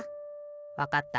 わかった。